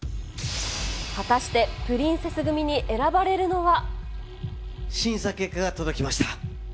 果たしてプリンセス組に選ばれる審査結果が届きました。